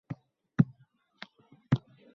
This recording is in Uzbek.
U o’rib bo’lguncha rizqu zaringni